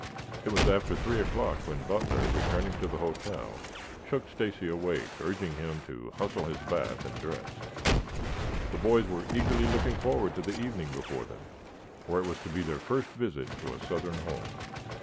It was after three o'clock when Butler, returning to the hotel, shook Stacy awake, urging him to hustle his bath and dress. The boys were eagerly looking forward to the evening before them, for it was to be their first visit to a southern home.